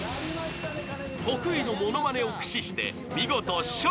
［得意の物まねを駆使して見事笑